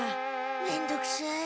めんどくさい。